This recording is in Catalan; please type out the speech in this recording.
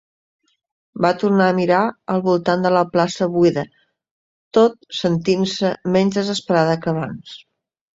Va tornar a mirar al voltant de la plaça buida, tot sentint-se menys desesperada que abans.